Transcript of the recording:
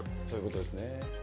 そういうことですね。